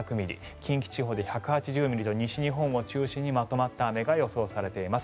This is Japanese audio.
近畿地方で１８０ミリと西日本を中心にまとまった雨が予想されています。